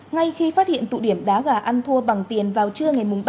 ngay khi phát hiện tụ điểm đá gà ăn thua bằng tiền vào trưa ngày mùng